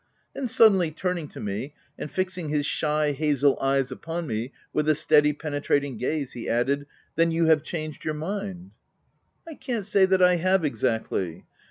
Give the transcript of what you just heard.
Then suddenly turn ing to me, and fixing his shy, hazel eyes upon me with a steady penetrating gaze, he added, "Then you have changed your mind?'* "I can't say that I have exactly.